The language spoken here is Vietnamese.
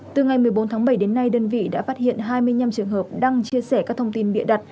từ ngày một mươi bốn tháng bảy đến nay đơn vị đã phát hiện hai mươi năm trường hợp đăng chia sẻ các thông tin bịa đặt